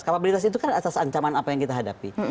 kapabilitas itu kan atas ancaman apa yang kita hadapi